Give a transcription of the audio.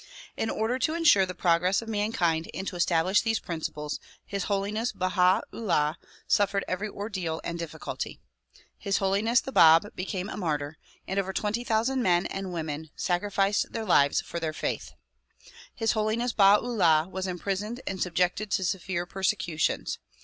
In order to insure the progress of mankind and to establish these principles His Holiness Baha 'Ullah suffered every ordeal and difficulty. His Holiness the Bab became a martyr, and over twenty thousand men and women DISCOURSES DELIVERED IN NEW YORK 121 sacrificed their lives for their faith. His Holiness Baha 'Ullah was imprisoned and subjected to severe persecutions.